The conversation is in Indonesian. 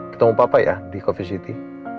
ketemu papa ya di coffeesity